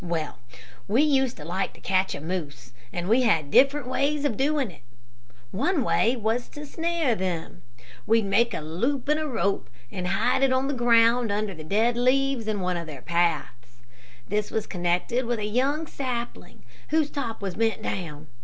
"Well, we used to like to catch a moose, and we had different ways of doing it. One way was to snare them. We' d make a loop in a rope and hide it on the ground under the dead leaves in one of their paths. This was connected with a young sapling whose top was bent down.